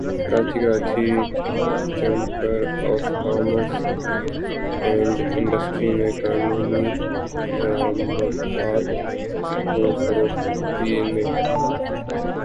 Karachi Karachi chamber of commerce and industry نے قانونی درآمدات کو فروغ دینے